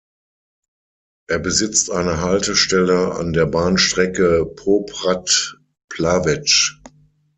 Er besitzt eine Haltestelle an der Bahnstrecke Poprad–Plaveč.